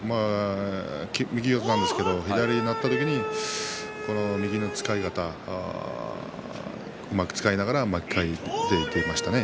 右四つなんですが左になった時に右の使い方うまく使いながら巻き替えていました。